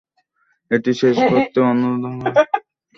এটি শেষ করতে অনুদানের থেকে চার গুণ বেশি অর্থ ব্যয় হবে।